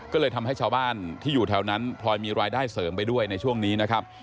ก็เลยทำให้ชาวบ้านที่อยู่แถวนั้นพลอยมีรายได้เสริมไปด้วยในช่วงนี้นะครับ